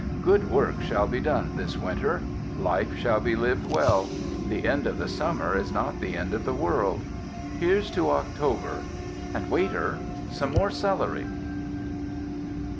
Good work shall be done this winter. Life shall be lived well. The end of the summer is not the end of the world. Here's to October and, waiter, some more celery.